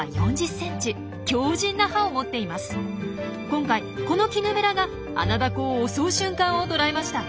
今回このキヌベラがアナダコを襲う瞬間をとらえました。